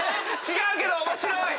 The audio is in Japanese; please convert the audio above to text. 違うけど面白い！